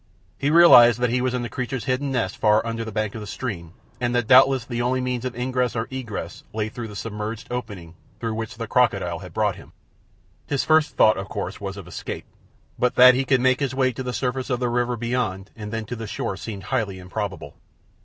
He realized that he was in the creature's hidden nest far under the bank of the stream, and that doubtless the only means of ingress or egress lay through the submerged opening through which the crocodile had brought him. His first thought, of course, was of escape, but that he could make his way to the surface of the river beyond and then to the shore seemed highly improbable.